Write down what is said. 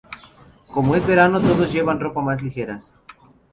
Como es verano todos llevan ropas más ligeras.